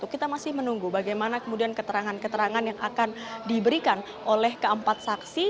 kita masih menunggu bagaimana kemudian keterangan keterangan yang akan diberikan oleh keempat saksi